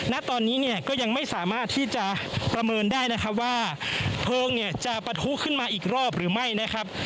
ณตอนนี้เนี่ยก็ยังไม่สามารถที่จะประเมินได้นะครับว่าเพลิงเนี่ยจะปะทุขึ้นมาอีกรอบหรือไม่นะครับ